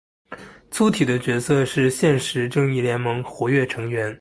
粗体的角色是现时正义联盟活跃成员。